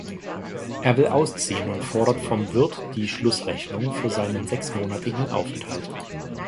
Er will ausziehen und fordert vom Wirt die Schlussrechnung für seinen sechsmonatigen Aufenthalt.